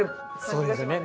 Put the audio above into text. そうですよね。